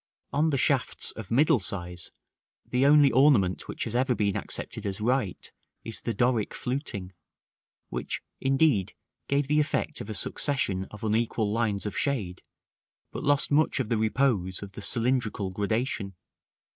§ XVII. On shafts of middle size, the only ornament which has ever been accepted as right, is the Doric fluting, which, indeed, gave the effect of a succession of unequal lines of shade, but lost much of the repose of the cylindrical gradation.